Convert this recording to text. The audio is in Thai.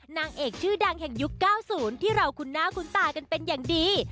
นางเอกชื่อดังแห่งยุค๙๐ที่เราคุ้นหน้าคุ้นตากันเป็นอย่างดี